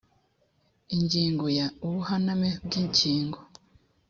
ingingo ya ubuhaname bw imikingo